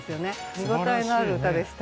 見応えのある歌でした。